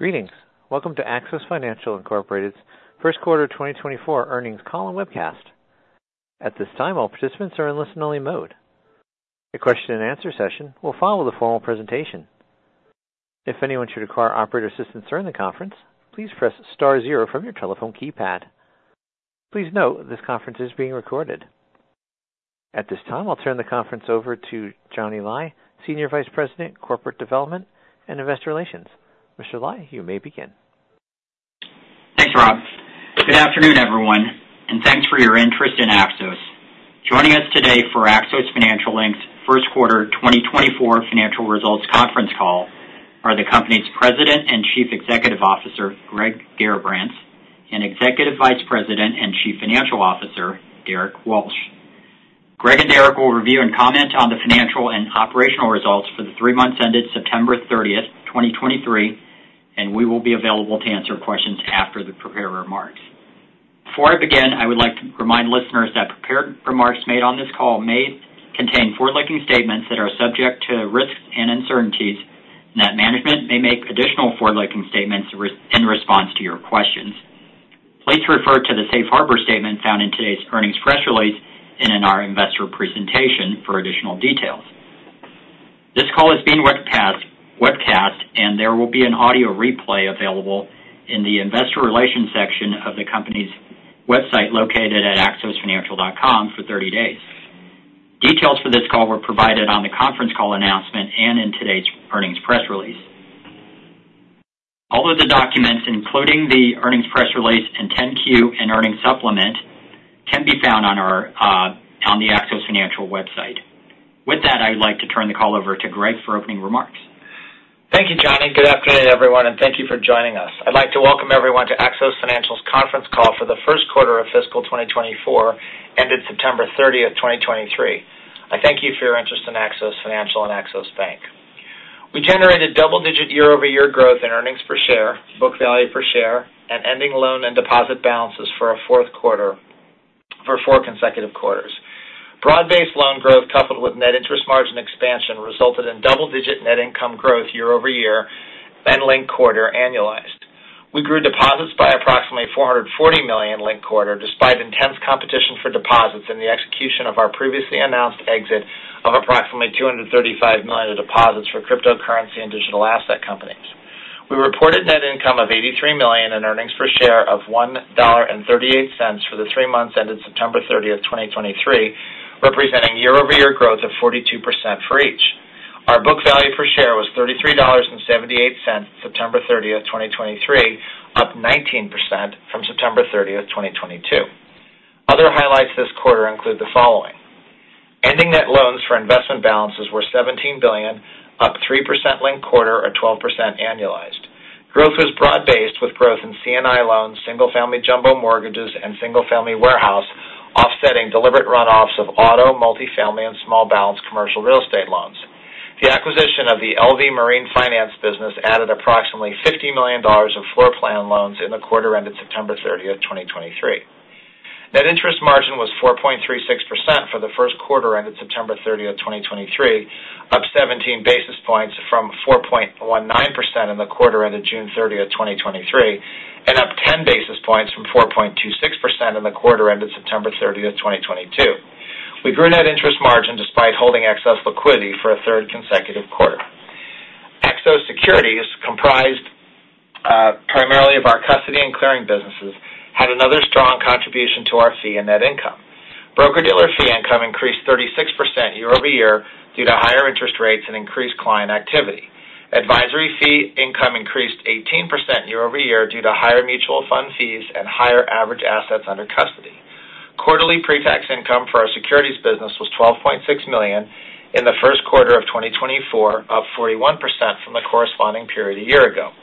Greetings. Welcome to Axos Financial Incorporated's first quarter 2024 earnings call and webcast. At this time, all participants are in listen-only mode. A question-and-answer session will follow the formal presentation. If anyone should require operator assistance during the conference, please press star zero from your telephone keypad. Please note, this conference is being recorded. At this time, I'll turn the conference over to Johnny Lai, Senior Vice President, Corporate Development and Investor Relations. Mr. Lai, you may begin. Thanks, Rob. Good afternoon, everyone, and thanks for your interest in Axos. Joining us today for Axos Financial's first quarter 2024 financial results conference call are the company's President and Chief Executive Officer, Greg Garrabrants, and Executive Vice President and Chief Financial Officer, Derrick Walsh. Greg and Derrick will review and comment on the financial and operational results for the three months ended September 30, 2023, and we will be available to answer questions after the prepared remarks. Before I begin, I would like to remind listeners that prepared remarks made on this call may contain forward-looking statements that are subject to risks and uncertainties, and that management may make additional forward-looking statements in response to your questions. Please refer to the safe harbor statement found in today's earnings press release and in our investor presentation for additional details. This call is being webcast, webcast, and there will be an audio replay available in the Investor Relations section of the company's website, located at axosfinancial.com, for 30 days. Details for this call were provided on the conference call announcement and in today's earnings press release. All of the documents, including the earnings press release and 10-Q and earnings supplement, can be found on our... on the Axos Financial website. With that, I would like to turn the call over to Greg for opening remarks. Thank you, Johnny. Good afternoon, everyone, and thank you for joining us. I'd like to welcome everyone to Axos Financial's conference call for the first quarter of fiscal 2024, ended September 30, 2023. I thank you for your interest in Axos Financial and Axos Bank. We generated double-digit year-over-year growth in earnings per share, book value per share, and ending loan and deposit balances for a fourth quarter for four consecutive quarters. Broad-based loan growth, coupled with net interest margin expansion, resulted in double-digit net income growth year over year and linked quarter annualized. We grew deposits by approximately $440 million linked quarter, despite intense competition for deposits and the execution of our previously announced exit of approximately $235 million of deposits for cryptocurrency and digital asset companies. We reported net income of $83 million and earnings per share of $1.38 for the three months ended September 30, 2023, representing year-over-year growth of 42% for each. Our book value per share was $33.78, September 30, 2023, up 19% from September 30, 2022. Other highlights this quarter include the following: Ending net loans for investment balances were $17 billion, up 3% linked quarter, or 12% annualized. Growth was broad-based, with growth in C&I loans, single-family jumbo mortgages, and single-family warehouse, offsetting deliberate runoffs of auto, multifamily, and small balance commercial real estate loans. The acquisition of the LV Marine Finance business added approximately $50 million of floor plan loans in the quarter ended September 30, 2023. Net interest margin was 4.36% for the first quarter ended September 30, 2023, up 17 basis points from 4.19% in the quarter ended June 30, 2023, and up 10 basis points from 4.26% in the quarter ended September 30, 2022. We grew net interest margin despite holding excess liquidity for a third consecutive quarter. Axos Securities, comprised primarily of our custody and clearing businesses, had another strong contribution to our fee and net income. Broker-dealer fee income increased 36% year-over-year due to higher interest rates and increased client activity. Advisory fee income increased 18% year-over-year due to higher mutual fund fees and higher average assets under custody. Quarterly pre-tax income for our securities business was $12.6 million in the first quarter of 2024, up 41% from the corresponding period a year ago.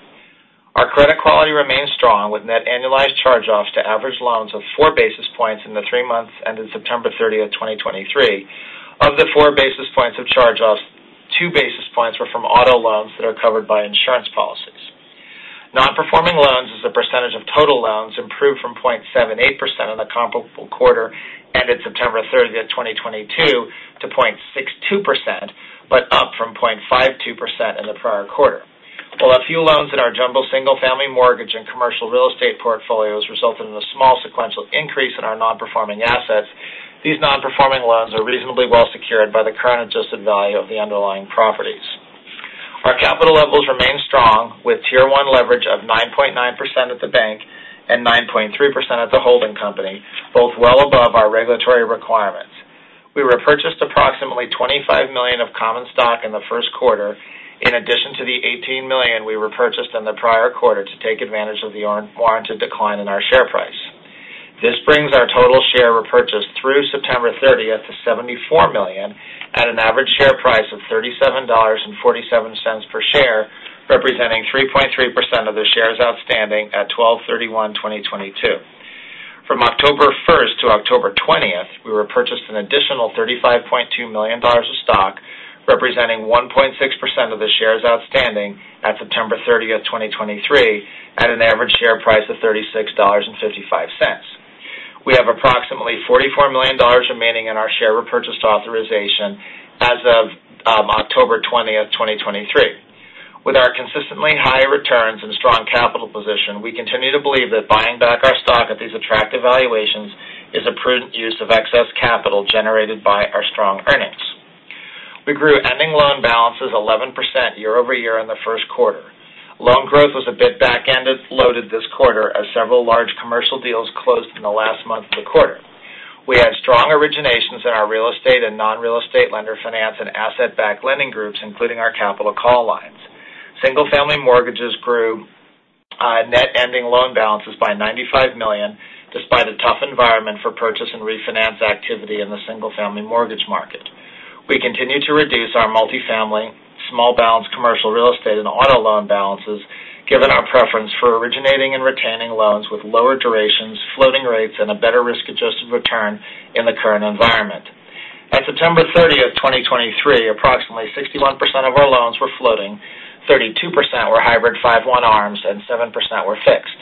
Our credit quality remains strong, with net annualized charge-offs to average loans of 4 basis points in the three months ended September 30, 2023. Of the 4 basis points of charge-offs, 2 basis points were from auto loans that are covered by insurance policies. Non-performing loans, as a percentage of total loans, improved from 0.78% in the comparable quarter, ended September 30, 2022, to 0.62%, but up from 0.52% in the prior quarter. While a few loans in our jumbo single-family mortgage and commercial real estate portfolios resulted in a small sequential increase in our non-performing assets, these non-performing loans are reasonably well secured by the current adjusted value of the underlying properties. Our capital levels remain strong, with Tier 1 leverage of 9.9% at the bank and 9.3% at the holding company, both well above our regulatory requirements. We repurchased approximately $25 million of common stock in the first quarter, in addition to the $18 million we repurchased in the prior quarter to take advantage of the warranted decline in our share price. This brings our total share repurchased through September 30 to $74 million, at an average share price of $37.47 per share, representing 3.3% of the shares outstanding at 12/31/2022. From October 1 to October 20, we repurchased an additional $35.2 million of stock, representing 1.6% of the shares outstanding at September 30, 2023, at an average share price... $36.55. We have approximately $44 million remaining in our share repurchase authorization as of October 20, 2023. With our consistently high returns and strong capital position, we continue to believe that buying back our stock at these attractive valuations is a prudent use of excess capital generated by our strong earnings. We grew ending loan balances 11% year-over-year in the first quarter. Loan growth was a bit back-ended, loaded this quarter, as several large commercial deals closed in the last month of the quarter. We had strong originations in our real estate and non-real estate lender finance and asset-backed lending groups, including our capital call lines. Single-family mortgages grew, net ending loan balances by $95 million, despite a tough environment for purchase and refinance activity in the single-family mortgage market. We continue to reduce our multifamily, small balance commercial real estate, and auto loan balances, given our preference for originating and retaining loans with lower durations, floating rates, and a better risk-adjusted return in the current environment. At September 30, 2023, approximately 61% of our loans were floating, 32% were hybrid 5/1 ARMs, and 7% were fixed.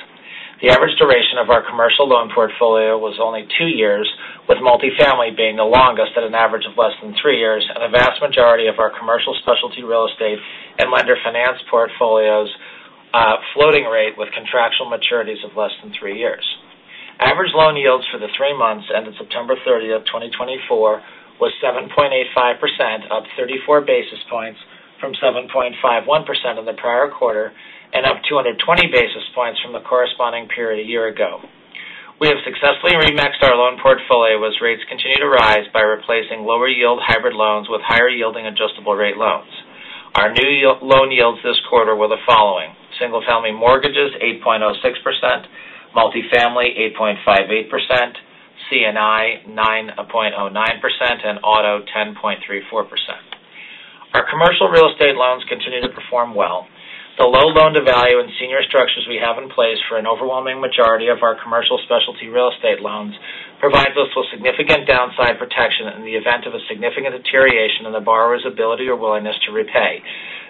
The average duration of our commercial loan portfolio was only two years, with multifamily being the longest at an average of less than three years, and the vast majority of our commercial specialty real estate and lender finance portfolios, floating rate with contractual maturities of less than three years. Average loan yields for the three months ended September 30, 2024, was 7.85%, up 34 basis points from 7.51% in the prior quarter and up 220 basis points from the corresponding period a year ago. We have successfully remixed our loan portfolio as rates continue to rise by replacing lower yield hybrid loans with higher yielding adjustable-rate loans. Our new loan yields this quarter were the following: single-family mortgages, 8.06%; multifamily, 8.58%; C&I, 9.09%; and auto, 10.34%. Our commercial real estate loans continue to perform well. The low loan-to-value and senior structures we have in place for an overwhelming majority of our commercial specialty real estate loans provides us with significant downside protection in the event of a significant deterioration in the borrower's ability or willingness to repay,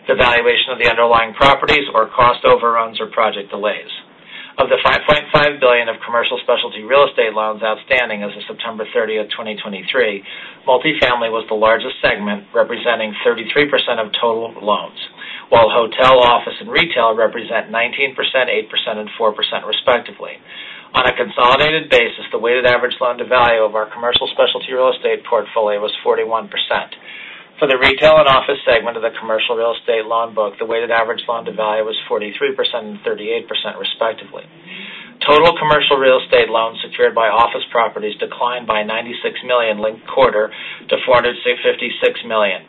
the valuation of the underlying properties or cost overruns or project delays. Of the $5.5 billion of commercial specialty real estate loans outstanding as of September thirtieth, 2023, multifamily was the largest segment, representing 33% of total loans, while hotel, office, and retail represent 19%, 8%, and 4% respectively. On a consolidated basis, the weighted average loan-to-value of our commercial specialty real estate portfolio was 41%. For the retail and office segment of the commercial real estate loan book, the weighted average loan-to-value was 43% and 38% respectively. Total commercial real estate loans secured by office properties declined by $96 million linked-quarter to $456 million.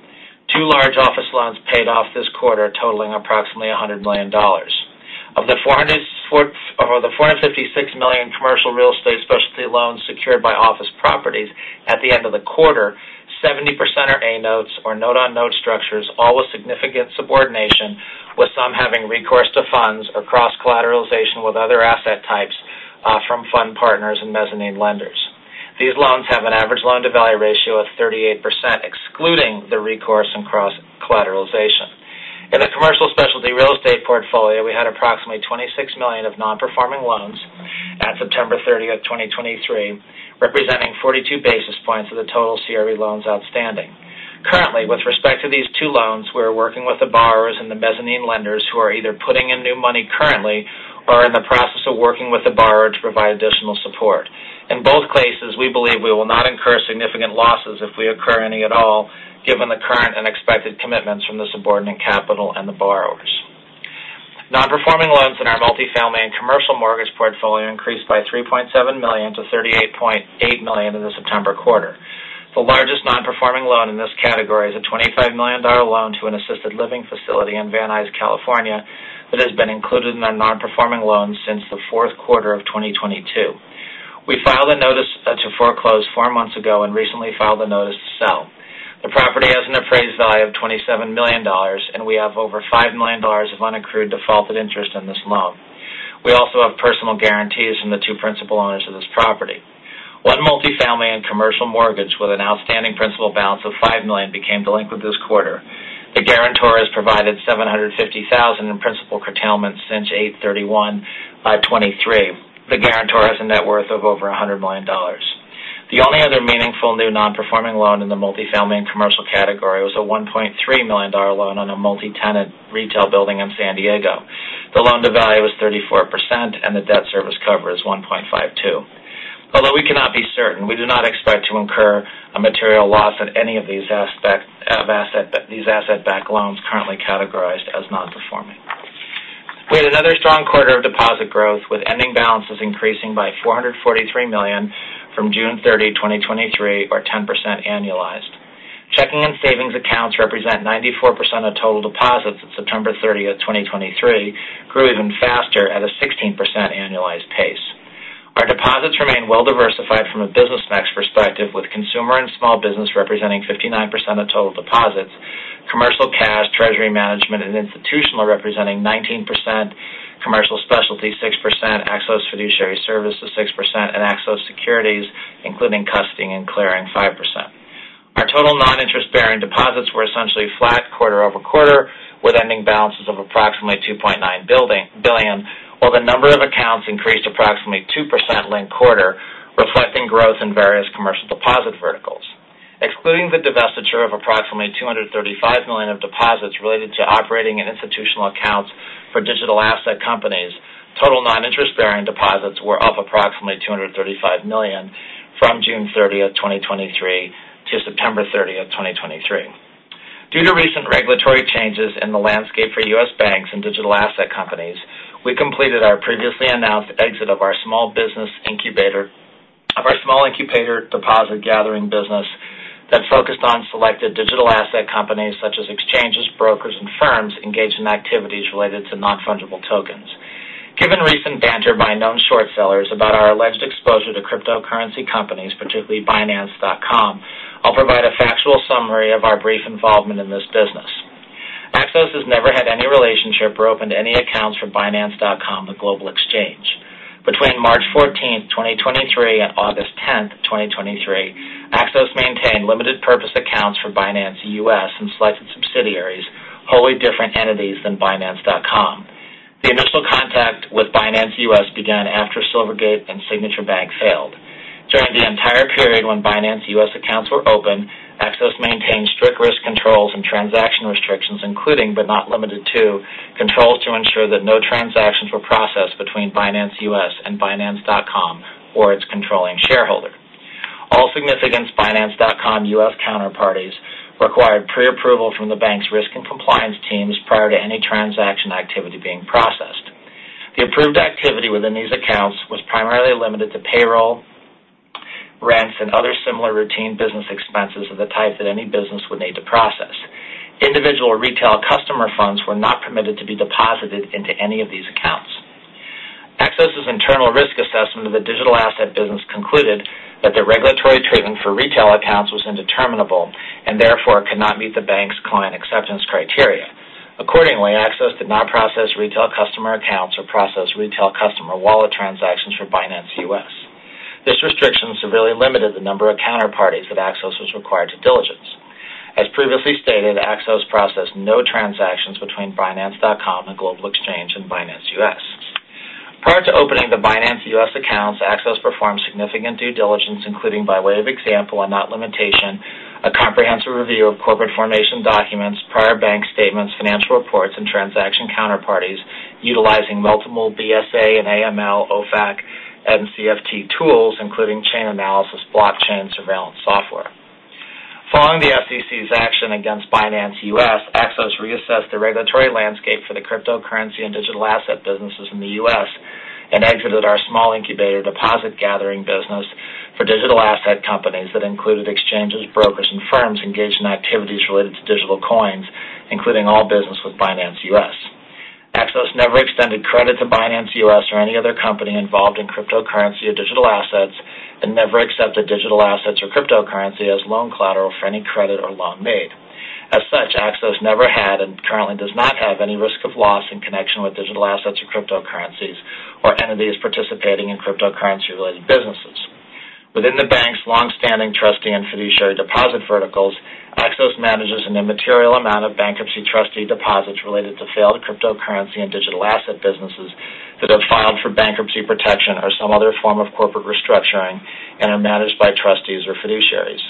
Two large office loans paid off this quarter, totaling approximately $100 million. Of the $456 million commercial real estate specialty loans secured by office properties at the end of the quarter, 70% are A notes or note-on-note structures, all with significant subordination, with some having recourse to funds or cross-collateralization with other asset types, from fund partners and mezzanine lenders. These loans have an average loan-to-value ratio of 38%, excluding the recourse and cross-collateralization. In the commercial specialty real estate portfolio, we had approximately $26 million of nonperforming loans at September thirtieth, 2023, representing forty-two basis points of the total CRE loans outstanding. Currently, with respect to these two loans, we are working with the borrowers and the mezzanine lenders who are either putting in new money currently or are in the process of working with the borrower to provide additional support. In both cases, we believe we will not incur significant losses if we occur any at all, given the current and expected commitments from the subordinate capital and the borrowers. Nonperforming loans in our multifamily and commercial mortgage portfolio increased by $3.7 million to $38.8 million in the September quarter. The largest nonperforming loan in this category is a $25 million loan to an assisted living facility in Van Nuys, California, that has been included in the nonperforming loan since the fourth quarter of 2022. We filed a notice to foreclose four months ago and recently filed a notice to sell. The property has an appraised value of $27 million, and we have over $5 million of unaccrued defaulted interest in this loan. We also have personal guarantees from the two principal owners of this property. One multifamily and commercial mortgage with an outstanding principal balance of $5 million became delinquent this quarter. The guarantor has provided $750,000 in principal curtailment since 8/31/2023. The guarantor has a net worth of over $100 million. The only other meaningful new nonperforming loan in the multifamily and commercial category was a $1.3 million loan on a multi-tenant retail building in San Diego. The loan to value is 34%, and the debt service cover is 1.52. Although we cannot be certain, we do not expect to incur a material loss on any of these asset-backed loans currently categorized as nonperforming. We had another strong quarter of deposit growth, with ending balances increasing by $443 million from June 30, 2023, or 10% annualized. Checking and savings accounts represent 94% of total deposits at September 30, 2023, grew even faster at a 16% annualized pace. Our deposits remain well-diversified from a business mix perspective, with consumer and small business representing 59% of total deposits, commercial cash, treasury management, and institutional representing 19%, commercial specialty, 6%, Axos Fiduciary Services, 6%, and Axos Securities, including custody and clearing, 5%. Deposits were essentially flat quarter-over-quarter, with ending balances of approximately $2.9 billion, while the number of accounts increased approximately 2% linked quarter, reflecting growth in various commercial deposit verticals. Excluding the divestiture of approximately $235 million of deposits related to operating and institutional accounts for digital asset companies, total non-interest-bearing deposits were up approximately $235 million from June 30, 2023 to September 30, 2023. Due to recent regulatory changes in the landscape for U.S. banks and digital asset companies, we completed our previously announced exit of our small business incubator of our small incubator deposit gathering business that focused on selected digital asset companies such as exchanges, brokers, and firms engaged in activities related to non-fungible tokens. Given recent banter by known short sellers about our alleged exposure to cryptocurrency companies, particularly Binance.com, I'll provide a factual summary of our brief involvement in this business. Axos has never had any relationship or opened any accounts for Binance.com, the global exchange. Between March 14, 2023 and August 10, 2023, Axos maintained limited purpose accounts for Binance.US and selected subsidiaries, wholly different entities than Binance.com. The initial contact with Binance.US began after Silvergate and Signature Bank failed. During the entire period when Binance.US accounts were open, Axos maintained strict risk controls and transaction restrictions, including, but not limited to, controls to ensure that no transactions were processed between Binance.US and Binance.com or its controlling shareholder. All significant Binance.com US counterparties required pre-approval from the bank's risk and compliance teams prior to any transaction activity being processed. The approved activity within these accounts was primarily limited to payroll, rents, and other similar routine business expenses of the type that any business would need to process. Individual or retail customer funds were not permitted to be deposited into any of these accounts. Axos's internal risk assessment of the digital asset business concluded that the regulatory treatment for retail accounts was indeterminable and therefore could not meet the bank's client acceptance criteria. Accordingly, Axos did not process retail customer accounts or process retail customer wallet transactions for Binance.US. This restriction severely limited the number of counterparties that Axos was required to diligence. As previously stated, Axos processed no transactions between Binance.com and the global exchange and Binance.US. Prior to opening the Binance.US accounts, Axos performed significant due diligence, including, by way of example and not limitation, a comprehensive review of corporate formation documents, prior bank statements, financial reports, and transaction counterparties utilizing multiple BSA and AML, OFAC, CFT tools, including Chainalysis, blockchain, and surveillance software. Following the SEC's action against Binance.US, Axos reassessed the regulatory landscape for the cryptocurrency and digital asset businesses in the U.S. and exited our small incubator deposit gathering business for digital asset companies that included exchanges, brokers, and firms engaged in activities related to digital coins, including all business with Binance.US. Axos never extended credit to Binance.US or any other company involved in cryptocurrency or digital assets and never accepted digital assets or cryptocurrency as loan collateral for any credit or loan made. As such, Axos never had and currently does not have any risk of loss in connection with digital assets or cryptocurrencies or entities participating in cryptocurrency-related businesses. Within the bank's long-standing trustee and fiduciary deposit verticals, Axos manages an immaterial amount of bankruptcy trustee deposits related to failed cryptocurrency and digital asset businesses that have filed for bankruptcy protection or some other form of corporate restructuring and are managed by trustees or fiduciaries.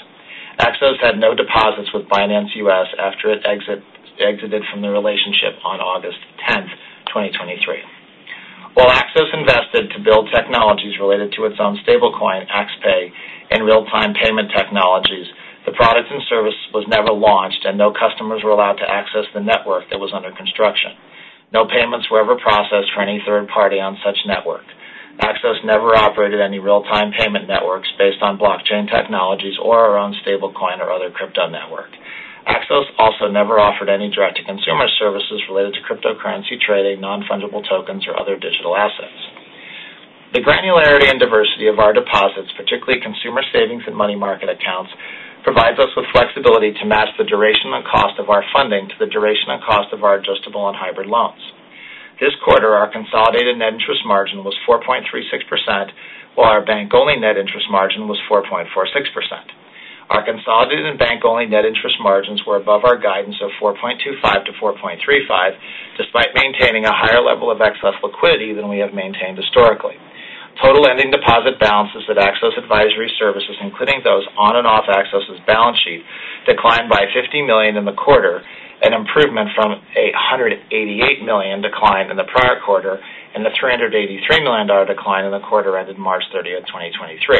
Axos had no deposits with Binance US after it exited from the relationship on August tenth, 2023. While Axos invested to build technologies related to its own stable coin, Ax Pay, and real-time payment technologies, the product and service was never launched and no customers were allowed to access the network that was under construction. No payments were ever processed for any third party on such network. Axos never operated any real-time payment networks based on blockchain technologies or our own stablecoin or other crypto network. Axos also never offered any direct-to-consumer services related to cryptocurrency trading, non-fungible tokens, or other digital assets. The granularity and diversity of our deposits, particularly consumer savings and money market accounts, provides us with flexibility to match the duration and cost of our funding to the duration and cost of our adjustable and hybrid loans. This quarter, our consolidated net interest margin was 4.36%, while our bank-only net interest margin was 4.46%. Our consolidated and bank-only net interest margins were above our guidance of 4.25%-4.35%, despite maintaining a higher level of excess liquidity than we have maintained historically. Total lending deposit balances at Axos Advisory Services, including those on and off Axos's balance sheet, declined by $50 million in the quarter, an improvement from a $188 million decline in the prior quarter and the $383 million decline in the quarter ended March 30, 2023.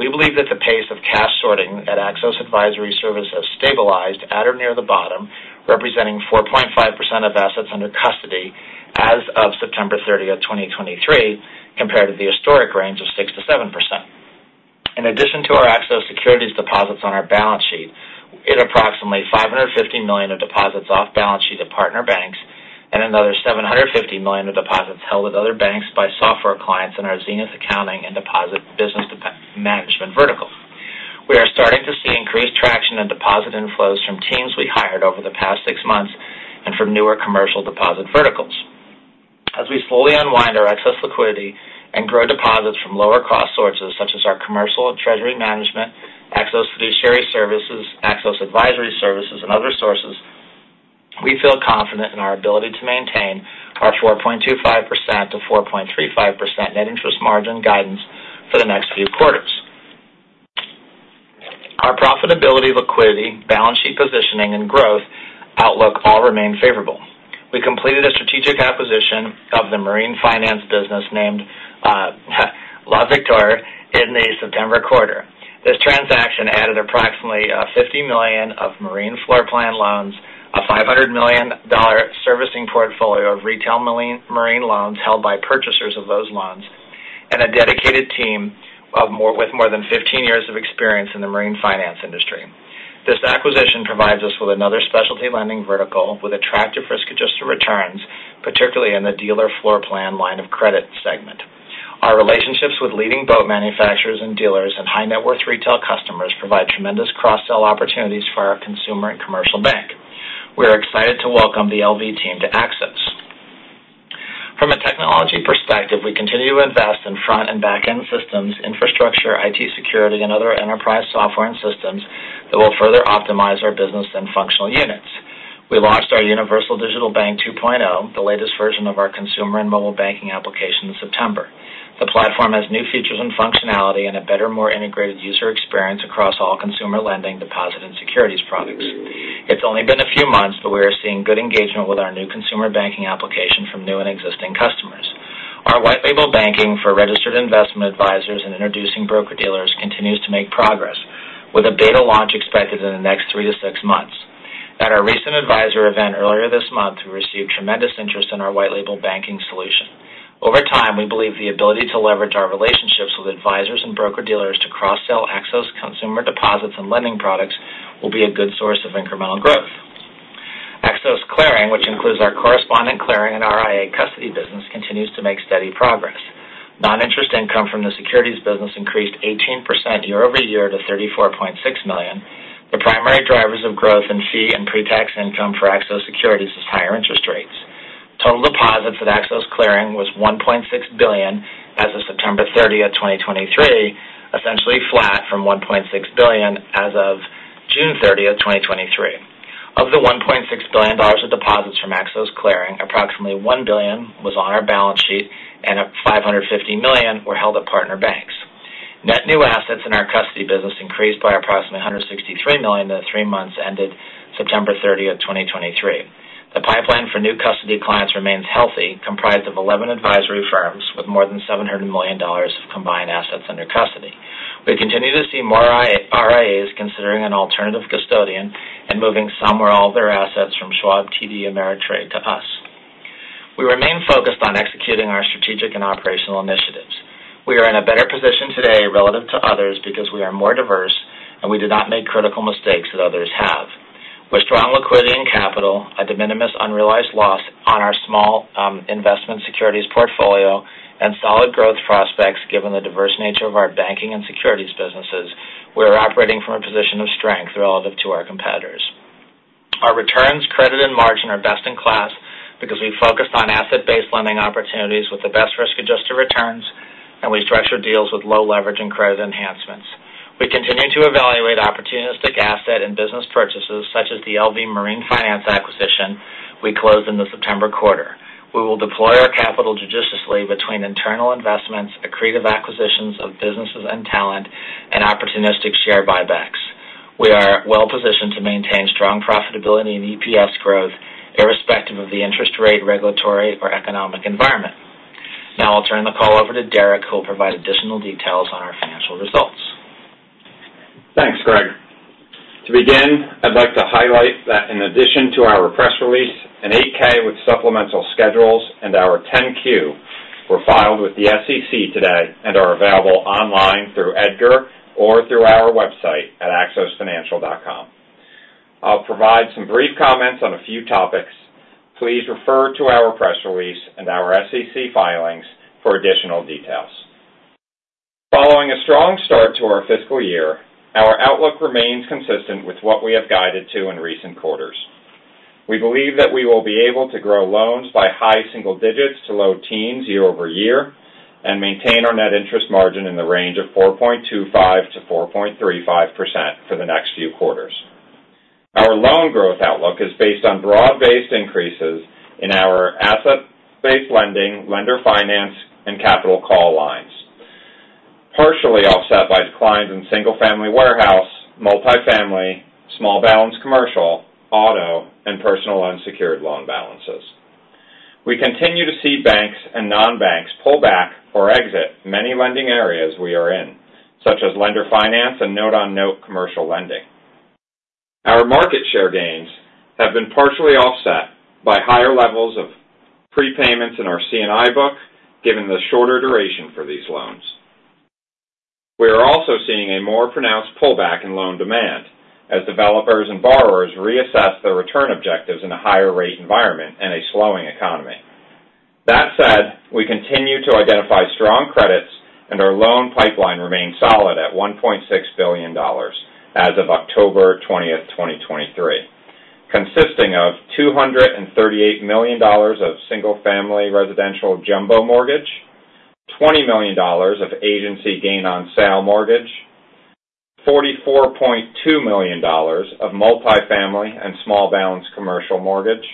We believe that the pace of cash sorting at Axos Advisory Services stabilized at or near the bottom, representing 4.5% of assets under custody as of September 30, 2023, compared to the historic range of 6%-7%. In addition to our Axos Securities deposits on our balance sheet, it is approximately $550 million of deposits off balance sheet of partner banks and another $750 million of deposits held with other banks by software clients in our Zenith accounting and deposit business management vertical. We are starting to see increased traction and deposit inflows from teams we hired over the past and from newer commercial deposit verticals. As we slowly unwind our excess liquidity and grow deposits from lower cost sources, such as our commercial and treasury management, Axos Fiduciary Services, Axos Advisory Services, and other sources, we feel confident in our ability to maintain our 4.25%-4.35% net interest margin guidance for the next few quarters. Our profitability, liquidity, balance sheet positioning, and growth outlook all remain favorable. We completed a strategic acquisition of the marine finance business named La Victoria in the September quarter. This transaction added approximately $50 million of marine floor plan loans, a $500 million servicing portfolio of retail marine loans held by purchasers of those loans, and a dedicated team with more than 15 years of experience in the marine finance industry. This acquisition provides us with another specialty lending vertical with attractive risk-adjusted returns, particularly in the dealer floor plan line of credit segment. Our relationships with leading boat manufacturers and dealers and high-net-worth retail customers provide tremendous cross-sell opportunities for our consumer and commercial bank. We are excited to welcome the LV team to Axos. From a technology perspective, we continue to invest in front and back-end systems, infrastructure, IT security, and other enterprise software and systems that will further optimize our business and functional units. We launched our Universal Digital Bank 2.0, the latest version of our consumer and mobile banking application, in September. The platform has new features and functionality and a better, more integrated user experience across all consumer lending, deposit, and securities products. It's only been a few months, but we are seeing good engagement with our new consumer banking application from new and existing customers. Our white label banking for registered investment advisors and introducing broker-dealers continues to make progress, with a beta launch expected in the next 3-6 months. At our recent advisor event earlier this month, we received tremendous interest in our white label banking solution. Over time, we believe the ability to leverage our relationships with advisors and broker-dealers to cross-sell Axos consumer deposits and lending products will be a good source of incremental growth. Axos Clearing, which includes our correspondent clearing and RIA custody business, continues to make steady progress. Non-interest income from the securities business increased 18% year-over-year to $34.6 million. The primary drivers of growth in fee and pre-tax income for Axos Securities is higher interest rates. Total deposits at Axos Clearing was $1.6 billion as of September 30, 2023, essentially flat from $1.6 billion as of June 30, 2023. Of the $1.6 billion of deposits from Axos Clearing, approximately $1 billion was on our balance sheet, and $550 million were held at partner banks. Net new assets in our custody business increased by approximately $163 million in the three months ended September 30, 2023. The pipeline for new custody clients remains healthy, comprised of 11 advisory firms with more than $700 million of combined assets under custody. We continue to see more RIAs considering an alternative custodian and moving some or all their assets from Schwab, TD, and Ameritrade to us. We remain focused on executing our strategic and operational initiatives. We are in a better position today relative to others because we are more diverse and we did not make critical mistakes that others have. With strong liquidity and capital, a de minimis unrealized loss on our small investment securities portfolio, and solid growth prospects, given the diverse nature of our banking and securities businesses, we are operating from a position of strength relative to our competitors. Our returns, credit, and margin are best-in-class because we focused on asset-based lending opportunities with the best risk-adjusted returns, and we structured deals with low leverage and credit enhancements. We continue to evaluate opportunistic asset and business purchases, such as the LV Marine Finance acquisition we closed in the September quarter. We will deploy our capital judiciously between internal investments, accretive acquisitions of businesses and talent, and opportunistic share buybacks. We are well positioned to maintain strong profitability and EPS growth, irrespective of the interest rate, regulatory, or economic environment. Now I'll turn the call over to Derrick, who will provide additional details on our financial results. Thanks, Greg. To begin, I'd like to highlight that in addition to our press release, an 8-K with supplemental schedules and our 10-Q were filed with the SEC today and are available online through EDGAR or through our website at axosfinancial.com. I'll provide some brief comments on a few topics. Please refer to our press release and our SEC filings for additional details. Following a strong start to our fiscal year, our outlook remains consistent with what we have guided to in recent quarters. We believe that we will be able to grow loans by high single digits to low teens year-over-year and maintain our net interest margin in the range of 4.25%-4.35% for the next few quarters. Our loan growth outlook is based on broad-based increases in our asset-based lending, lender finance, and capital call lines, partially offset by declines in single-family warehouse, multifamily, small balance commercial, auto, and personal unsecured loan balances. We continue to see banks and non-banks pull back or exit many lending areas we are in, such as lender finance and note-on-note commercial lending. Our market share gains have been partially offset by higher levels of prepayments in our C&I book, given the shorter duration for these loans. We are also seeing a more pronounced pullback in loan demand as developers and borrowers reassess their return objectives in a higher rate environment and a slowing economy. That said, we continue to identify strong-... Our loan pipeline remains solid at $1.6 billion as of October 20, 2023, consisting of $238 million of single-family residential jumbo mortgage, $20 million of agency gain on sale mortgage, $44.2 million of multifamily and small balance commercial mortgage,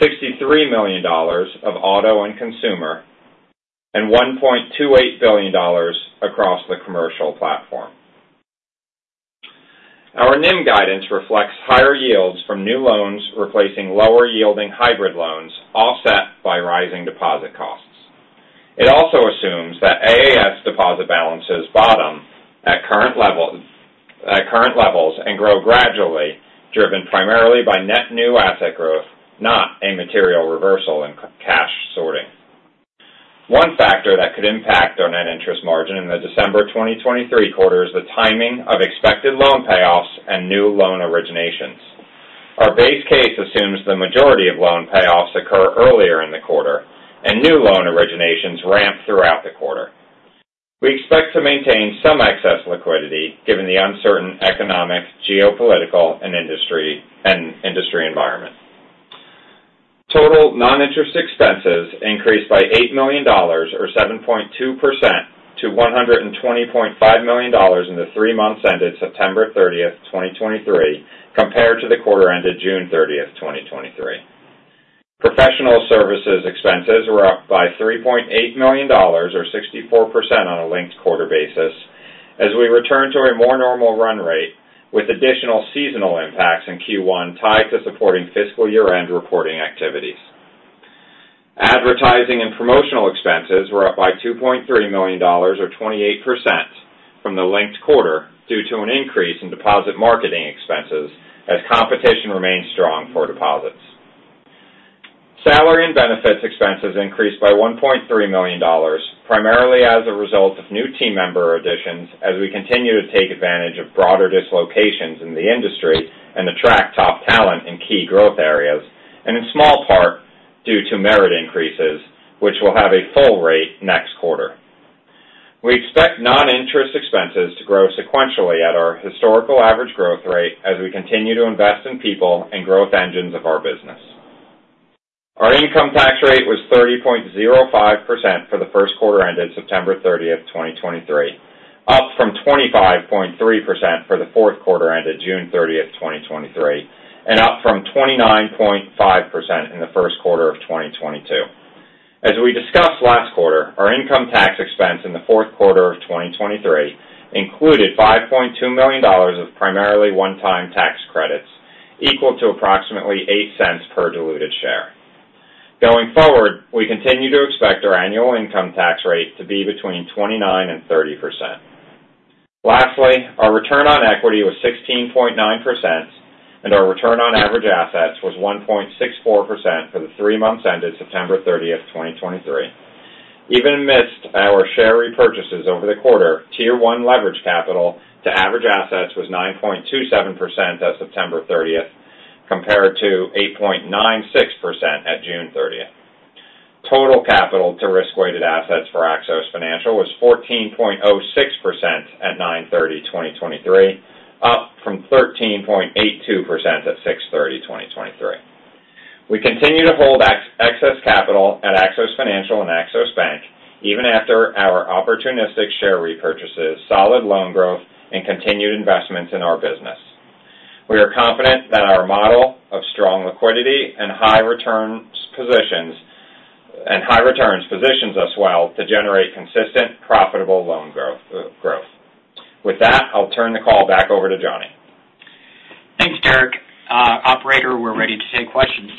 $63 million of auto and consumer, and $1.28 billion across the commercial platform. Our NIM guidance reflects higher yields from new loans, replacing lower-yielding hybrid loans, offset by rising deposit costs. It also assumes that AAS deposit balances bottom at current levels and grow gradually, driven primarily by net new asset growth, not a material reversal in cash sorting. One factor that could impact our net interest margin in the December 2023 quarter is the timing of expected loan payoffs and new loan originations. Our base case assumes the majority of loan payoffs occur earlier in the quarter, and new loan originations ramp throughout the quarter. We expect to maintain some excess liquidity, given the uncertain economic, geopolitical, and industry environment. Total non-interest expenses increased by $8 million, or 7.2% to $120.5 million in the three months ended September 30, 2023, compared to the quarter ended June 30, 2023. Professional services expenses were up by $3.8 million, or 64% on a linked quarter basis, as we return to a more normal run rate, with additional seasonal impacts in Q1, tied to supporting fiscal year-end reporting activities. Advertising and promotional expenses were up by $2.3 million, or 28% from the linked quarter, due to an increase in deposit marketing expenses as competition remains strong for deposits. Salary and benefits expenses increased by $1.3 million, primarily as a result of new team member additions, as we continue to take advantage of broader dislocations in the industry and attract top talent in key growth areas, and in small part, due to merit increases, which will have a full rate next quarter. We expect non-interest expenses to grow sequentially at our historical average growth rate as we continue to invest in people and growth engines of our business. Our income tax rate was 30.05% for the first quarter ended September 30, 2023, up from 25.3% for the fourth quarter ended June 30, 2023, and up from 29.5% in the first quarter of 2022. As we discussed last quarter, our income tax expense in the fourth quarter of 2023 included $5.2 million of primarily one-time tax credits, equal to approximately $0.08 per diluted share. Going forward, we continue to expect our annual income tax rate to be between 29%-30%. Lastly, our return on equity was 16.9%, and our return on average assets was 1.64% for the three months ended September 30, 2023. Even amidst our share repurchases over the quarter, Tier 1 leverage capital to average assets was 9.27% as of September 30, compared to 8.96% at June 30. Total capital to risk-weighted assets for Axos Financial was 14.06% at 9/30/2023, up from 13.82% at 6/30/2023. We continue to hold excess capital at Axos Financial and Axos Bank, even after our opportunistic share repurchases, solid loan growth, and continued investments in our business. We are confident that our model of strong liquidity and high returns positions us well to generate consistent, profitable loan growth. With that, I'll turn the call back over to Johnny. Thanks, Derrick. Operator, we're ready to take questions.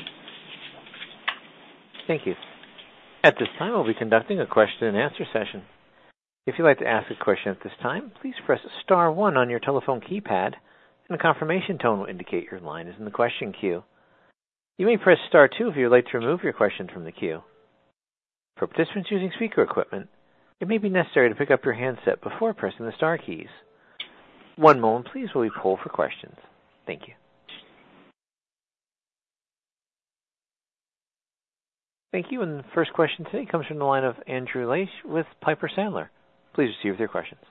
Thank you. At this time, we'll be conducting a question and answer session. If you'd like to ask a question at this time, please press star one on your telephone keypad, and a confirmation tone will indicate your line is in the question queue. You may press star two if you would like to remove your question from the queue. For participants using speaker equipment, it may be necessary to pick up your handset before pressing the star keys. One moment, please, while we poll for questions. Thank you. Thank you, and the first question today comes from the line of Andrew Liesch with Piper Sandler. Please proceed with your questions.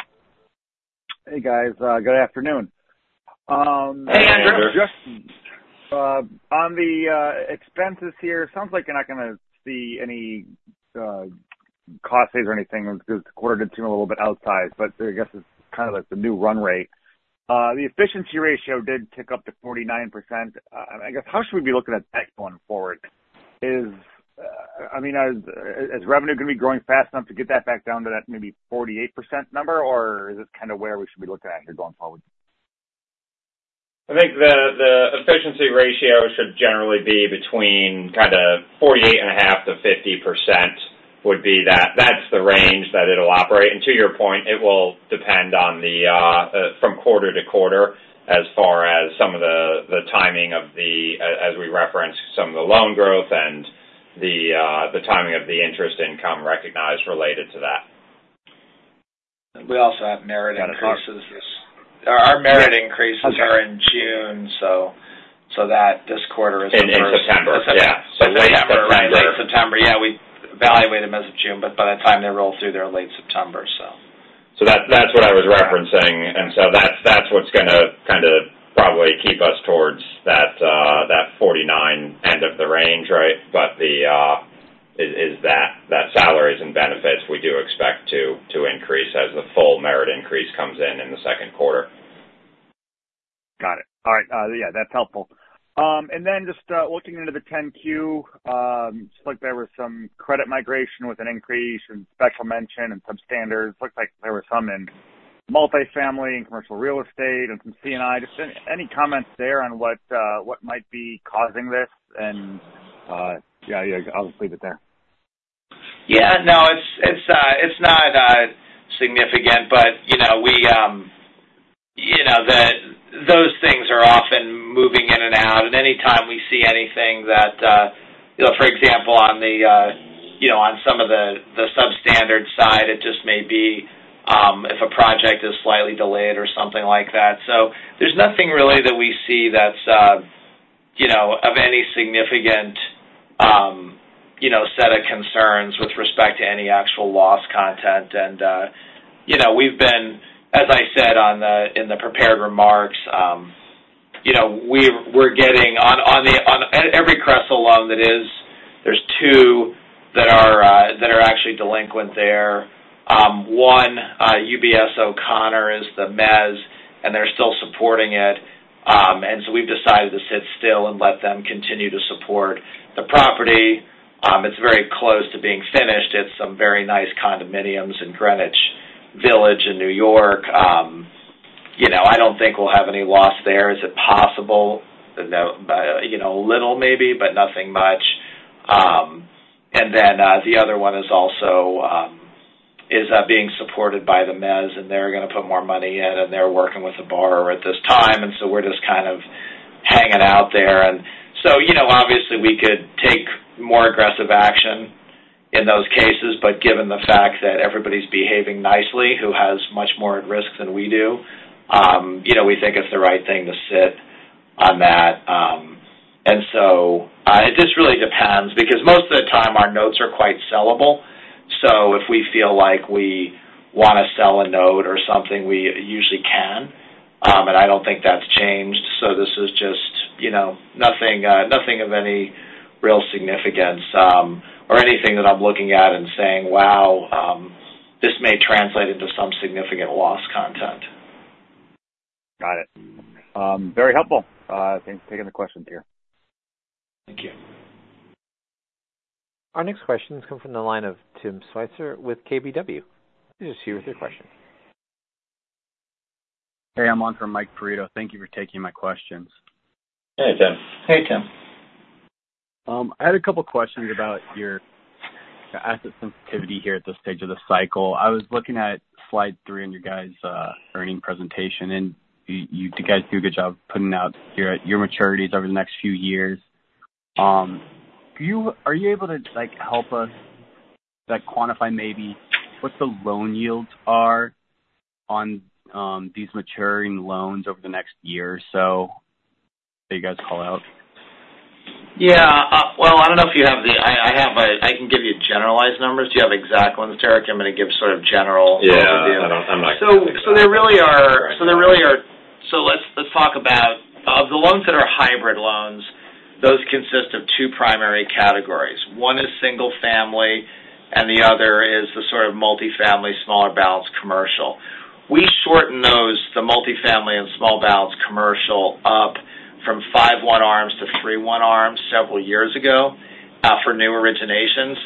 Hey, guys. Good afternoon. Hey, Andrew. Just, on the, expenses here, it sounds like you're not going to see any, costs or anything, because the quarter did seem a little bit outsized, but I guess it's kind of like the new run rate. The efficiency ratio did tick up to 49%. I, I guess, how should we be looking at that going forward? Is, I mean, as, as revenue going to be growing fast enough to get that back down to that maybe 48% number, or is this kind of where we should be looking at here going forward? I think the efficiency ratio should generally be between kind of 48.5%-50% would be that-- that's the range that it'll operate. And to your point, it will depend on the from quarter to quarter as far as some of the the timing of the as we referenced, some of the loan growth and the the timing of the interest income recognized related to that.... We also have merit increases. Our merit increases are in June, so that this quarter is- In September. Yeah. September, late September. Yeah, we evaluate them as of June, but by the time they roll through, they're late September, so. That's what I was referencing. That's what's gonna kind of probably keep us towards that 49 end of the range, right? The salaries and benefits, we do expect to increase as the full merit increase comes in in the second quarter. Got it. All right, yeah, that's helpful. And then just, looking into the 10-Q, looks like there was some credit migration with an increase in special mention and some standards. Looks like there were some in multifamily and commercial real estate and some C&I. Just any comments there on what, what might be causing this? And, yeah, yeah, I'll just leave it there. Yeah, no, it's, it's, it's not significant, but, you know, we, you know, those things are often moving in and out, and anytime we see anything that, you know, for example, on the, you know, on some of the, the substandard side, it just may be, if a project is slightly delayed or something like that. So there's nothing really that we see that's, you know, of any significant, you know, set of concerns with respect to any actual loss content. And, you know, we've been, as I said, on the-- in the prepared remarks, you know, we've-- we're getting on, on the, on every CRE specialty loan that is, there's two that are, that are actually delinquent there. One, UBS O'Connor is the mezz, and they're still supporting it. We've decided to sit still and let them continue to support the property. It's very close to being finished. It's some very nice condominiums in Greenwich Village in New York. You know, I don't think we'll have any loss there. Is it possible? No, you know, a little maybe, but nothing much. The other one is also being supported by the mezz, and they're going to put more money in, and they're working with the borrower at this time, and so we're just kind of hanging out there. You know, obviously, we could take more aggressive action in those cases, but given the fact that everybody's behaving nicely, who has much more at risk than we do, you know, we think it's the right thing to sit on that. and so, it just really depends, because most of the time our notes are quite sellable. So if we feel like we want to sell a note or something, we usually can, and I don't think that's changed. So this is just, you know, nothing, nothing of any real significance, or anything that I'm looking at and saying, "Wow, this may translate into some significant loss content. Got it. Very helpful, thanks for taking the question here. Thank you. Our next question comes from the line of Tim Switzer with KBW. Please proceed with your question. Hey, I'm on for Mike Perito. Thank you for taking my questions. Hey, Tim. Hey, Tim. I had a couple questions about your asset sensitivity here at this stage of the cycle. I was looking at slide three on your guys' earning presentation, and you guys do a good job putting out your maturities over the next few years. Do you-- are you able to, like, help us, like, quantify maybe what the loan yields are on these maturing loans over the next year or so that you guys call out? Yeah, well, I don't know if you have the... I, I have, I can give you generalized numbers. Do you have exact ones, Derrick? I'm going to give sort of general- Yeah. I don't- There really are-- so let's talk about, of the loans that are hybrid loans, those consist of two primary categories. One is single family, and the other is the sort of multifamily, smaller balance commercial. We shorten those, the multifamily and small balance commercial, up from 5/1 ARMs to 3/1 ARMs several years ago for new originations.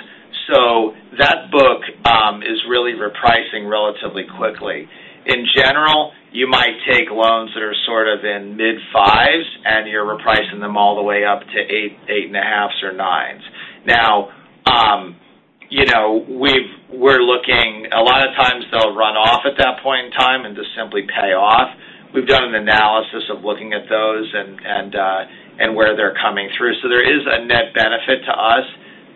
That book is really repricing relatively quickly. In general, you might take loans that are sort of in mid-5s, and you're repricing them all the way up to 8, 8.5, or 9s. Now, you know, we're looking... A lot of times they'll run off at that point in time and just simply pay off. We've done an analysis of looking at those and where they're coming through. So there is a net benefit to us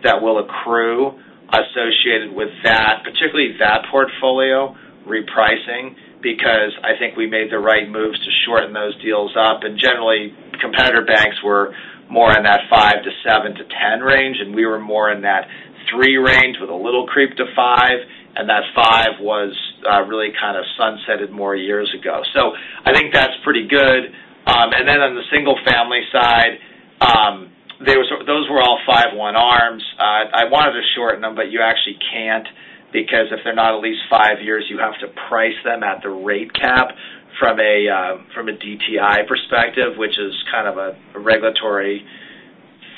that will accrue associated with that, particularly that portfolio repricing, because I think we made the right moves to shorten those deals up. And generally, competitor banks were more in that 5 - 7- 10- range, and we were more in that 3 range with a little creep to 5, and that 5 was really kind of sunsetted more years ago. So I think that's pretty good. And then on the single-family side, those were all 5/1 ARMs. I wanted to shorten them, but you actually can't, because if they're not at least five years, you have to price them at the rate cap from a, from a DTI perspective, which is kind of a regulatory thing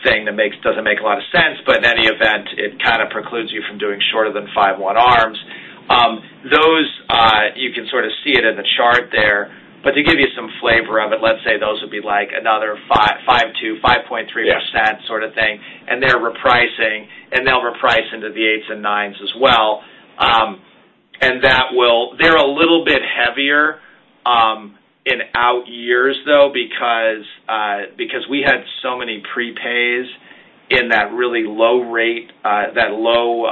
that makes- doesn't make a lot of sense, but in any event, it kind of precludes you from doing shorter than five one arms. Those, you can sort of see it in the chart there, but to give you some flavor of it, let's say those would be like another 5.5%-5.3% sort of thing, and they're repricing, and they'll reprice into the eights and nines as well. And that will- they're a little bit heavier in out years, though, because-... So many prepays in that really low rate, that low,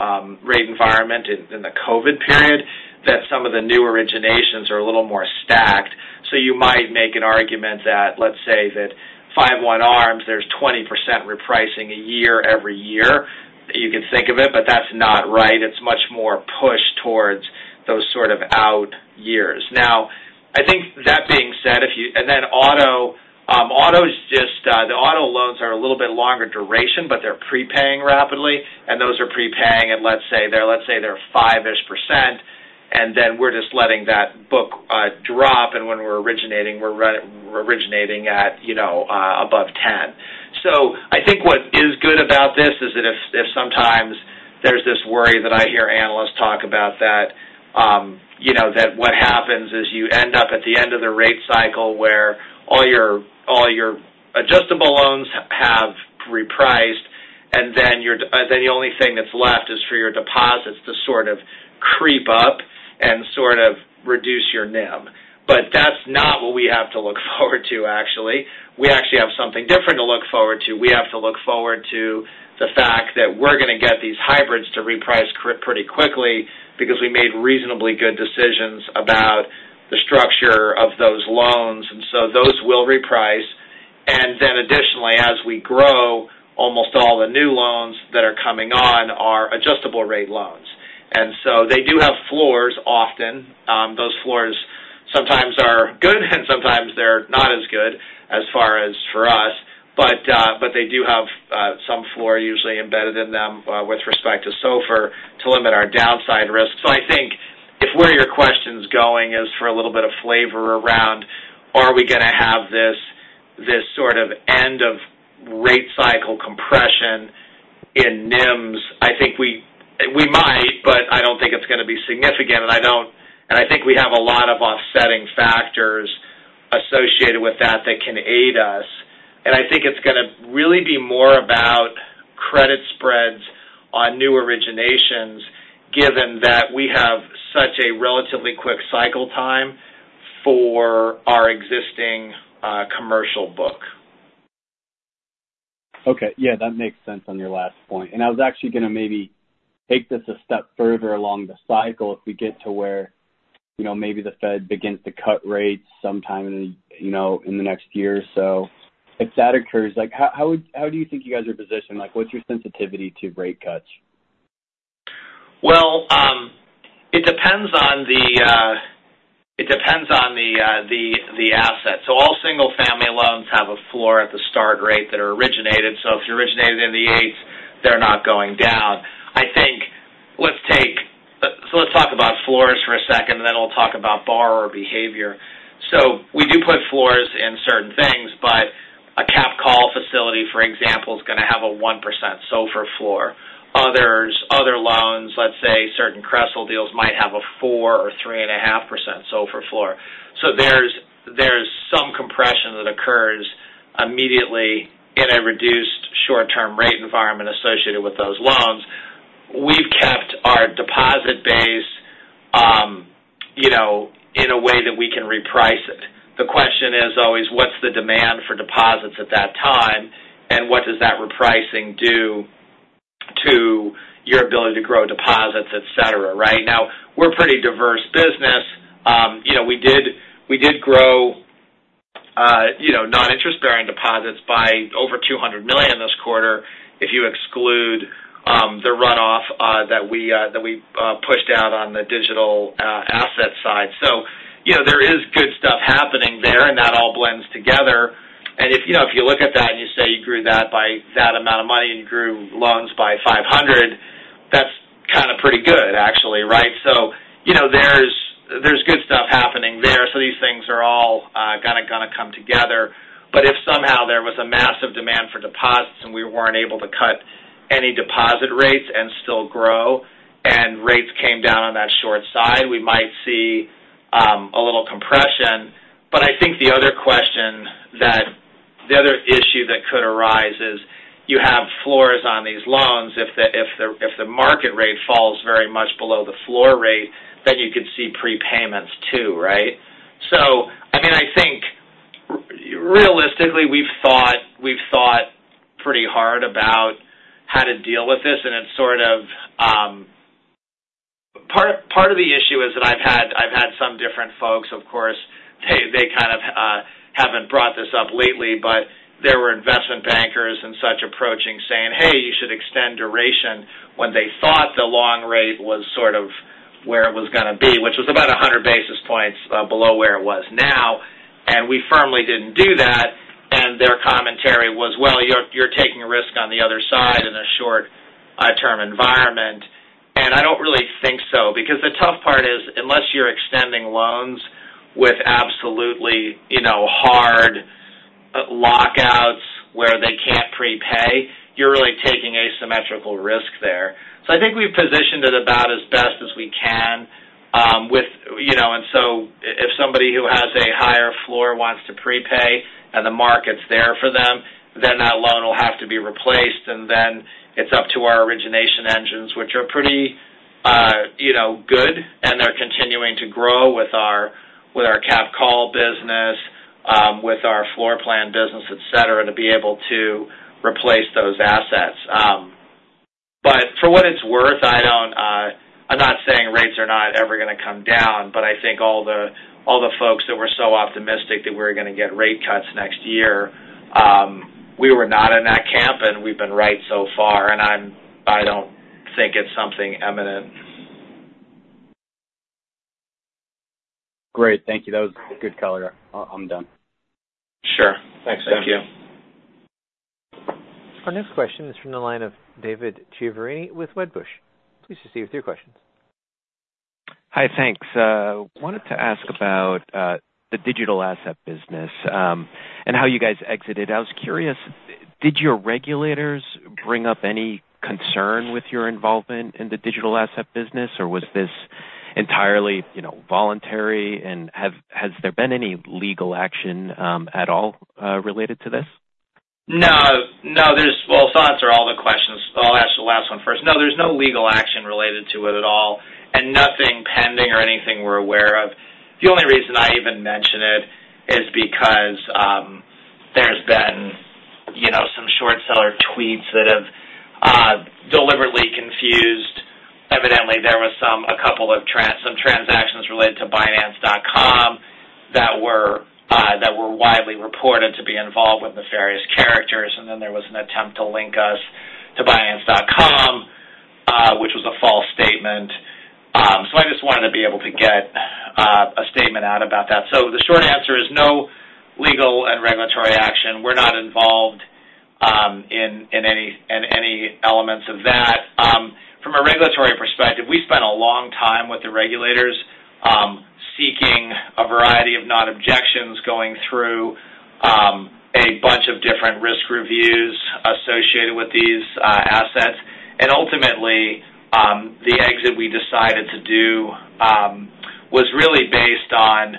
rate environment in, in the COVID period, that some of the new originations are a little more stacked. So you might make an argument that, let's say, that 5/1 arms, there's 20% repricing a year every year, you can think of it, but that's not right. It's much more pushed towards those sort of out years. Now, I think that being said, if you-- and then auto, auto's just, the auto loans are a little bit longer duration, but they're prepaying rapidly, and those are prepaying at, let's say, they're, let's say they're 5-ish%, and then we're just letting that book, drop, and when we're originating, we're originating at, you know, above 10. I think what is good about this is that if sometimes there's this worry that I hear analysts talk about that, you know, that what happens is you end up at the end of the rate cycle where all your adjustable loans have repriced, and then the only thing that's left is for your deposits to sort of creep up and sort of reduce your NIM. That's not what we have to look forward to, actually. We actually have something different to look forward to. We have to look forward to the fact that we're going to get these hybrids to reprice pretty quickly because we made reasonably good decisions about the structure of those loans, and so those will reprice. Then additionally, as we grow, almost all the new loans that are coming on are adjustable rate loans. And so they do have floors often. Those floors sometimes are good, and sometimes they're not as good as far as for us, but they do have some floor usually embedded in them with respect to SOFR, to limit our downside risk. So I think if where your question's going is for a little bit of flavor around, are we going to have this, this sort of end of rate cycle compression in NIMS? I think we, we might, but I don't think it's going to be significant, and I don't and I think we have a lot of offsetting factors associated with that that can aid us. I think it's going to really be more about credit spreads on new originations, given that we have such a relatively quick cycle time for our existing commercial book. Okay. Yeah, that makes sense on your last point. I was actually going to maybe take this a step further along the cycle. If we get to where, you know, maybe the Fed begins to cut rates sometime in, you know, in the next year or so. If that occurs, like, how do you think you guys are positioned? Like, what's your sensitivity to rate cuts? Well, it depends on the, it depends on the, the, the asset. All single-family loans have a floor at the start rate that are originated. If you're originated in the eights, they're not going down. I think let's take... Let's talk about floors for a second, and then we'll talk about borrower behavior. We do put floors in certain things, but a cap call facility, for example, is going to have a 1% SOFR floor. Other loans, let's say, certain CRESL deals might have a 4% or 3.5% SOFR floor. There's some compression that occurs immediately in a reduced short-term rate environment associated with those loans. We've kept our deposit base, you know, in a way that we can reprice it. The question is always: What's the demand for deposits at that time? And what does that repricing do to your ability to grow deposits, et cetera, right? Now, we're a pretty diverse business. You know, we did grow, you know, non-interest-bearing deposits by over $200 million this quarter, if you exclude the runoff that we pushed out on the digital asset side. So, you know, there is good stuff happening there, and that all blends together. And if, you know, if you look at that and you say you grew that by that amount of money and you grew loans by $500 million, that's kind of pretty good, actually, right? So, you know, there's good stuff happening there. So these things are all kind of going to come together. But if somehow there was a massive demand for deposits and we weren't able to cut any deposit rates and still grow, and rates came down on that short side, we might see a little compression. But I think the other question that the other issue that could arise is, you have floors on these loans. If the market rate falls very much below the floor rate, then you could see prepayments too, right? So, I mean, I think realistically we've thought pretty hard about how to deal with this, and it's sort of. Part of the issue is that I've had some different folks, of course, they kind of haven't brought this up lately, but there were investment bankers and such approaching saying, "Hey, you should extend duration," when they thought the long rate was sort of where it was going to be, which was about 100 basis points below where it was now. And we firmly didn't do that, and their commentary was, "Well, you're taking a risk on the other side in a short term environment." And I don't really think so, because the tough part is, unless you're extending loans with absolutely, you know, hard lockouts where they can't prepay, you're really taking asymmetrical risk there. So I think we've positioned it about as best as we can, with... You know, if somebody who has a higher floor wants to prepay and the market's there for them, then that loan will have to be replaced, and then it's up to our origination engines, which are pretty, call business, with our floor plan business, et cetera, to be able to replace those assets. For what it's worth, I don't, I'm not saying rates are not ever going to come down, but I think all the folks that were so optimistic that we're going to get rate cuts next year, we were not in that camp, and we've been right so far, and I don't think it's something imminent. Great. Thank you. That was good color. I'm done. Sure. Thanks, Dan. Thank you. Our next question is from the line of David Chiaverini with Wedbush. Please proceed with your questions. Hi, thanks. Wanted to ask about the digital asset business and how you guys exited. I was curious, did your regulators bring up any concern with your involvement in the digital asset business, or was this entirely, you know, voluntary? And has there been any legal action at all related to this? No, no, there's. Well, so I'll answer all the questions. I'll ask the last one first. No, there's no legal action related to it at all, and nothing pending or anything we're aware of. The only reason I even mention it is because, there's been, you know, some short seller tweets that have deliberately confused. Evidently, there was a couple of transactions related to Binance.com that were widely reported to be involved with nefarious characters, and then there was an attempt to link us to Binance.com, which was a false statement. So I just wanted to be able to get a statement out about that. So the short answer is no legal and regulatory action. We're not involved in any elements of that. From a regulatory perspective, we spent a long time with the regulators, seeking a variety of non-objections, going through a bunch of different risk reviews associated with these assets. Ultimately, the exit we decided to do was really based on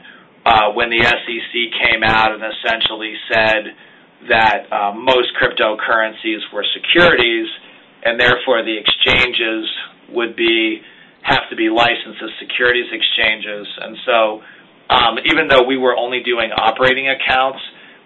when the SEC came out and essentially said that most cryptocurrencies were securities, and therefore, the exchanges would have to be licensed as securities exchanges. Even though we were only doing operating accounts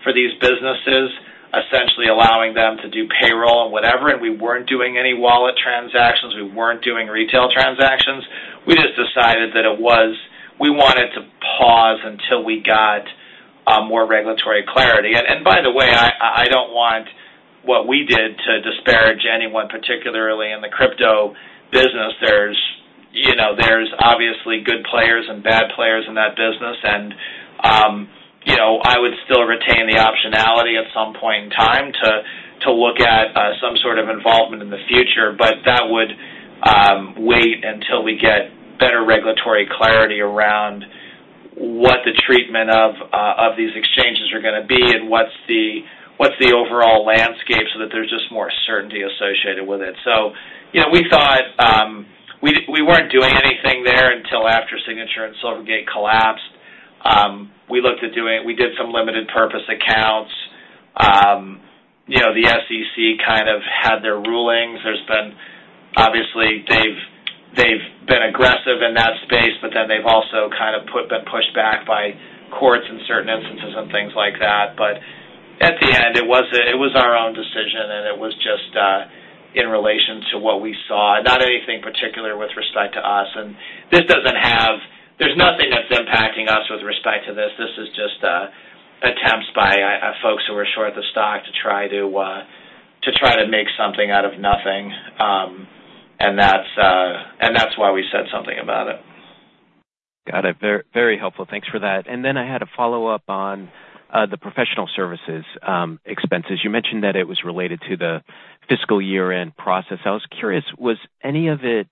for these businesses, essentially allowing them to do payroll and whatever, and we weren't doing any wallet transactions, we weren't doing retail transactions, we just decided that it was—we wanted to pause until we got more regulatory clarity. By the way, I don't want what we did to disparage anyone, particularly in the crypto business. There's, you know, there's obviously good players and bad players in that business, and, you know, I would still retain the optionality at some point in time to look at some sort of involvement in the future, but that would wait until we get better regulatory clarity around what the treatment of these exchanges are going to be and what's the overall landscape so that there's just more certainty associated with it. You know, we thought we weren't doing anything there until after Signature and Silvergate collapsed. We looked at doing—we did some limited purpose accounts. You know, the SEC kind of had their rulings. There's been... Obviously, they've been aggressive in that space, but then they've also kind of been pushed back by courts in certain instances and things like that. At the end, it was our own decision, and it was just in relation to what we saw, not anything particular with respect to us. This doesn't have—there's nothing that's impacting us with respect to this. This is just attempts by folks who are short of the stock to try to make something out of nothing, and that's why we said something about it. Got it. Very, very helpful. Thanks for that. And then I had a follow-up on the professional services expenses. You mentioned that it was related to the fiscal year-end process. I was curious, was any of it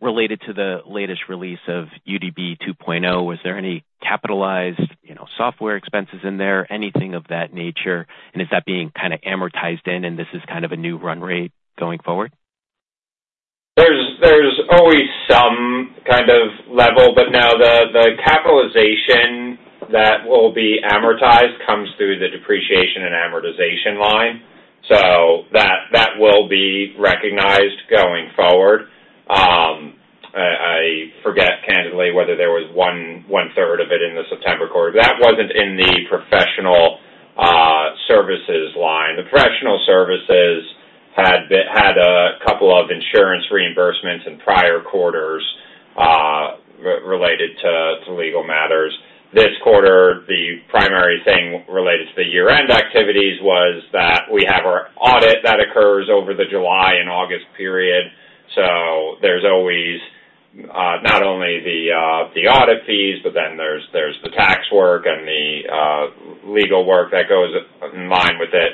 related to the latest release of UDB 2.0? Was there any capitalized, you know, software expenses in there, anything of that nature? And is that being kind of amortized in, and this is kind of a new run rate going forward? There's always some kind of level, but no, the capitalization that will be amortized comes through the depreciation and amortization line. So that will be recognized going forward. I forget candidly whether there was one-third of it in the September quarter. That wasn't in the professional services line. The professional services had a couple of insurance reimbursements in prior quarters related to legal matters. This quarter, the primary thing related to the year-end activities was that we have our audit that occurs over the July and August period. So there's always not only the audit fees, but then there's the tax work and the legal work that goes in line with it.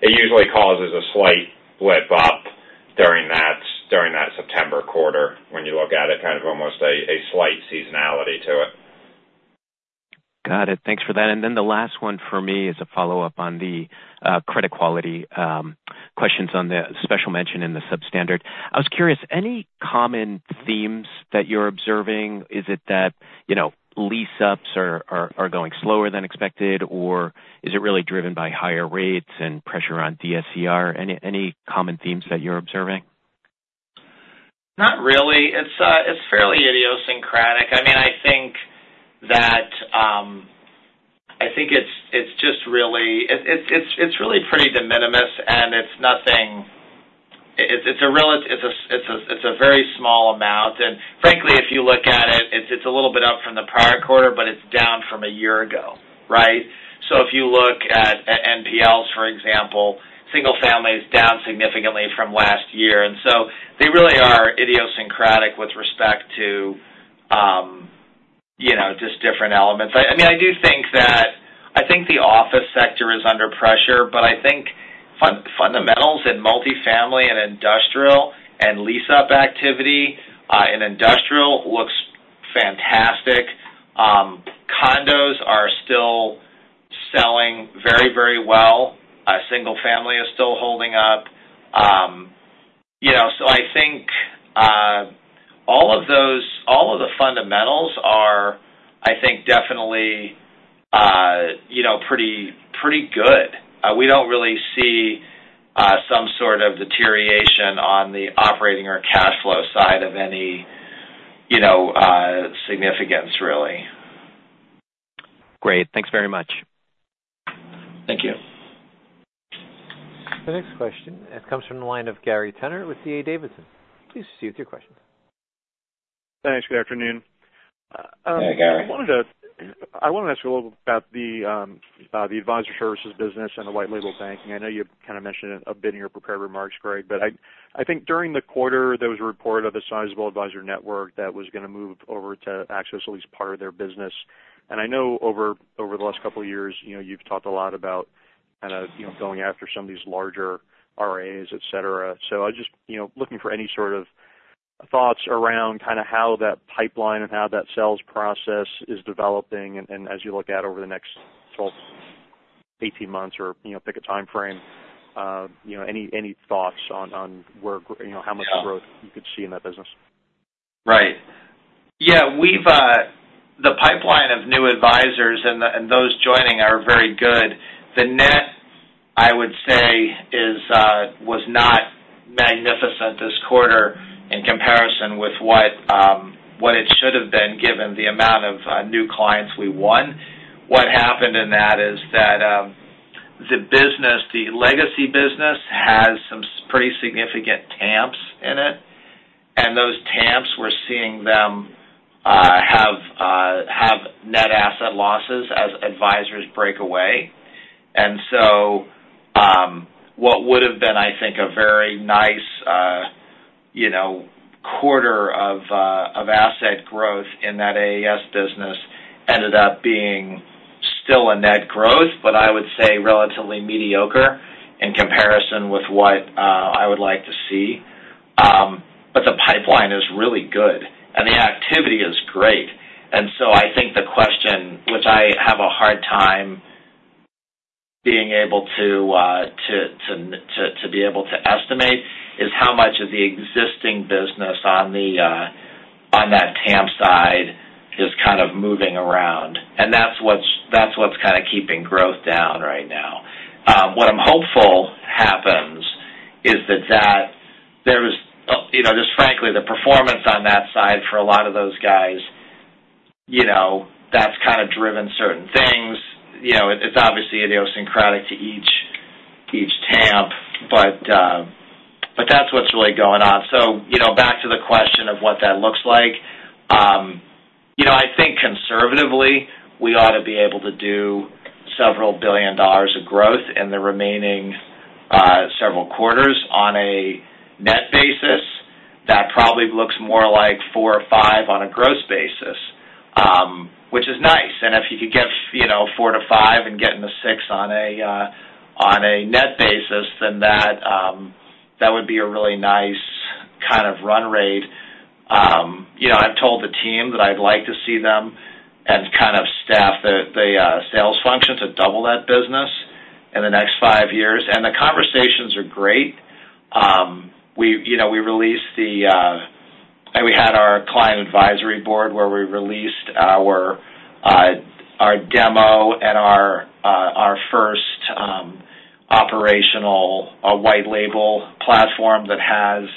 It usually causes a slight blip up during that September quarter when you look at it, kind of almost a slight seasonality to it. Got it. Thanks for that. And then the last one for me is a follow-up on the credit quality questions on the special mention in the substandard. I was curious, any common themes that you're observing? Is it that, you know, lease-ups are going slower than expected, or is it really driven by higher rates and pressure on DSCR? Any common themes that you're observing?... Not really. It's, it's fairly idiosyncratic. I mean, I think that, I think it's, it's just really-- it's, it's, it's really pretty de minimis, and it's nothing-- it's a very small amount. And frankly, if you look at it, it's a little bit up from the prior quarter, but it's down from a year ago, right? So if you look at NPLs, for example, single family is down significantly from last year. And so they really are idiosyncratic with respect to, you know, just different elements. I mean, I do think that... I think the office sector is under pressure, but I think fundamentals in multifamily and industrial and lease-up activity, in industrial looks fantastic. Condos are still selling very, very well. Single family is still holding up. You know, so I think all of the fundamentals are, I think, definitely, you know, pretty, pretty good. We don't really see some sort of deterioration on the operating or cash flow side of any, you know, significance, really. Great. Thanks very much. Thank you. The next question, it comes from the line of Gary Tenner with D.A. Davidson. Please proceed with your question. Thanks. Good afternoon. Hey, Gary. I want to ask you a little about the advisory services business and the white label banking. I know you kind of mentioned it a bit in your prepared remarks, Greg, but I think during the quarter, there was a report of a sizable advisor network that was going to move over to Axos at least part of their business. And I know over the last couple of years, you know, you've talked a lot about kind of, you know, going after some of these larger RIAs, et cetera. So I just, you know, looking for any sort of thoughts around kind of how that pipeline and how that sales process is developing. As you look out over the next 12, 18 months or, you know, pick a time frame, you know, any thoughts on where, you know, how much growth you could see in that business? Right. Yeah, we've... The pipeline of new advisors and the-- and those joining are very good. The net, I would say, is, was not magnificent this quarter in comparison with what, what it should have been, given the amount of, new clients we won. What happened in that is that, the business, the legacy business, has some pretty significant TAMPs in it, and those TAMPs, we're seeing them, have, have net asset losses as advisors break away. And so, what would have been, I think, a very nice, you know, quarter of, of asset growth in that AAS business ended up being still a net growth, but I would say relatively mediocre in comparison with what, I would like to see. But the pipeline is really good, and the activity is great. I think the question, which I have a hard time being able to estimate, is how much of the existing business on the on that TAMP side is kind of moving around. That's what's kind of keeping growth down right now. What I'm hopeful happens is that there's you know, just frankly, the performance on that side for a lot of those guys, you know, that's kind of driven certain things. You know, it's obviously idiosyncratic to each TAMP, but that's what's really going on. So, you know, back to the question of what that looks like, you know, I think conservatively, we ought to be able to do several billion dollars of growth in the remaining several quarters on a net basis. That probably looks more like 4 or 5 on a gross basis, which is nice. If you could get, you know, 4-5 and get into 6 on a net basis, that would be a really nice kind of run rate. You know, I've told the team that I'd like to see them and kind of staff the sales function to double that business in the next 5 years. The conversations are great. We, you know, we released the, uh... We had our client advisory board, where we released our demo and our first operational white label platform that has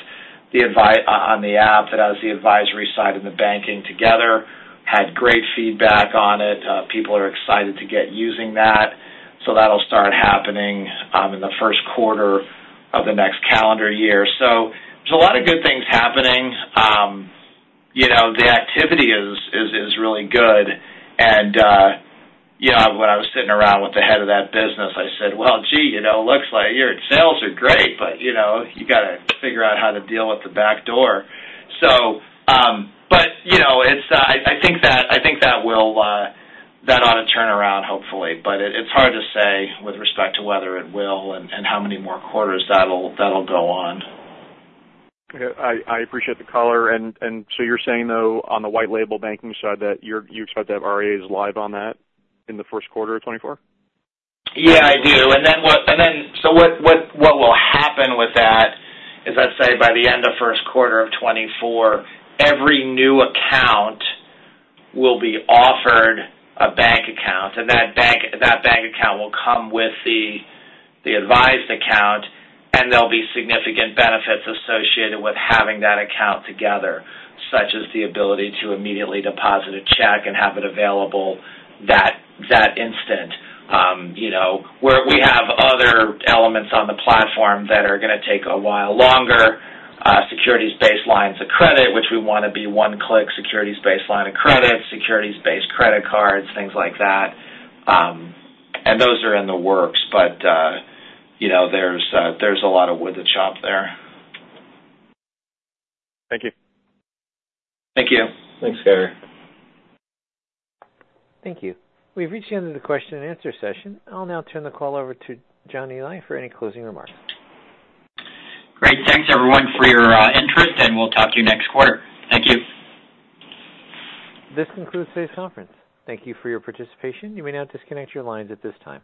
the advi- on the app, that has the advisory side and the banking together. Had great feedback on it. People are excited to get using that, so that'll start happening in the first quarter of the next calendar year. So there's a lot of good things happening. You know, the activity is really good. You know, when I was sitting around with the head of that business, I said: "Well, gee, you know, looks like your sales are great, but, you know, you gotta figure out how to deal with the back door." You know, it's, I think that will, that ought to turn around hopefully, but it's hard to say with respect to whether it will and how many more quarters that'll go on. I appreciate the color. And so you're saying, though, on the white label banking side, that you expect to have RAs live on that in the first quarter of 2024? Yeah, I do. And then, so what will happen with that is, I'd say by the end of first quarter of 2024, every new account will be offered a bank account, and that bank account will come with the advised account, and there'll be significant benefits associated with having that account together, such as the ability to immediately deposit a check and have it available that instant. You know, where we have other elements on the platform that are going to take a while longer, securities-based lines of credit, which we want to be one-click securities-based line of credit, securities-based credit cards, things like that. And those are in the works, but you know, there's a lot of wood to chop there. Thank you. Thank you. Thanks, Gary. Thank you. We've reached the end of the question and answer session. I'll now turn the call over to Johnny Lai for any closing remarks. Great. Thanks, everyone, for your interest, and we'll talk to you next quarter. Thank you. This concludes today's conference. Thank you for your participation. You may now disconnect your lines at this time.